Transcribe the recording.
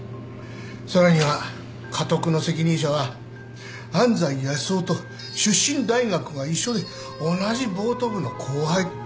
さらにはカトクの責任者は安斎康雄と出身大学が一緒で同じボート部の後輩。